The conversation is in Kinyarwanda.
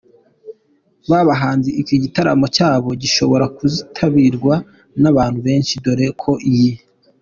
bahanzi, iki gitaramo cyabo gishobora kuzitabirwa nabantu benshi dore ko iyi.